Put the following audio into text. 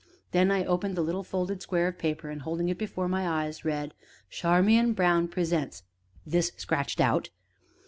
Then I opened the little folded square of paper, and, holding it before my eyes, read: "Charmian Brown presents" (This scratched out.)